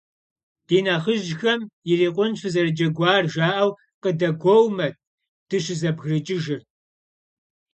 Ди нэхъыжьхэм, ирикъунщ фызэрыджэгуар, жаӀэу къыдэгуоумэт дыщызэбгрыкӀыжыр.